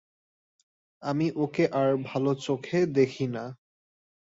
আমি ওকে আর ভালো চোখে দেখি না।